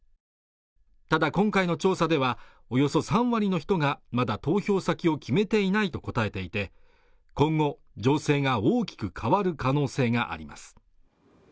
ただ今回の調査ではおよそ３割の人がまだ投票先を決めていないと答えていて今後情勢が大きく変わる可能性があります